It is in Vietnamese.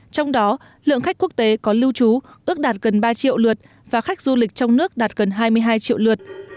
trong đó lượng khách quốc tế có lưu trú ước đạt gần ba triệu lượt và khách du lịch trong nước đạt gần hai mươi hai triệu lượt